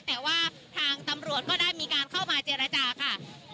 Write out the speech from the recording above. แต่ว่าทางตำรวจก็ได้มีการเข้ามาเจรจาค่ะ